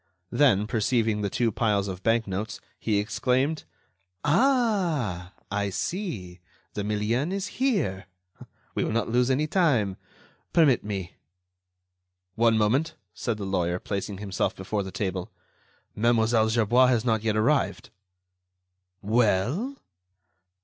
Then, perceiving the two piles of bank notes, he exclaimed: "Ah! I see! the million is here. We will not lose any time. Permit me." "One moment," said the lawyer, placing himself before the table. "Mlle. Gerbois has not yet arrived." "Well?"